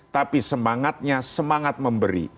tapi semangatnya semangat memberi